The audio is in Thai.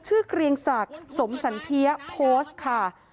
เกรียงศักดิ์สมสันเทียโพสต์ค่ะ